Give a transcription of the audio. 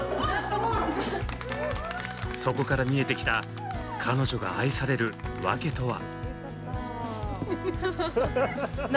そこから見えてきた彼女が愛されるわけとは？